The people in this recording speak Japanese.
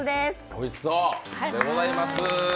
おいしそうでございます。